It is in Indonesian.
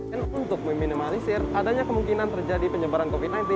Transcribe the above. dan untuk meminimalisir adanya kemungkinan terjadi penyebaran covid sembilan belas